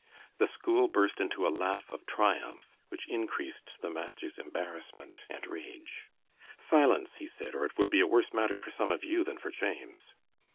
The school burst into a laugh of triumph, which increased the master's embarrassment and rage. "Silence!" he said, "or it will be a worse matter for some of you than for James."